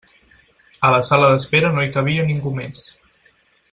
A la sala d'espera no hi cabia ningú més.